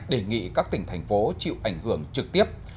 đề nghị các tỉnh thành phố chịu ảnh hưởng trực tiếp